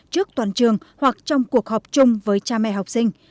trước toàn trường hoặc trong cuộc họp chung với cha mẹ học sinh